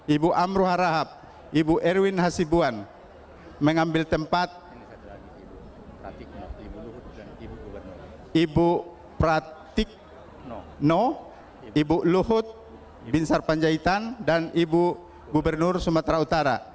ibu amruha rahab ibu erwin hasibuan mengambil tempat ibu pratikno ibu luhut binsar panjaitan dan ibu gubernur sumatera utara